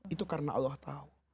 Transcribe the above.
itu karena allah tahu